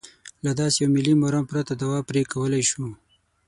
له داسې یوه ملي مرام پرته دوا پرې کولای شو.